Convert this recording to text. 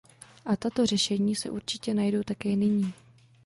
A tato řešení se určitě najdou také nyní.